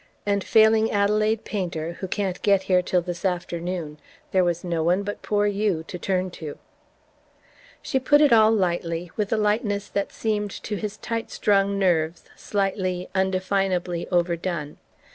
And failing Adelaide Painter, who can't get here till this afternoon, there was no one but poor you to turn to." She put it all lightly, with a lightness that seemed to his tight strung nerves slightly, undefinably over done.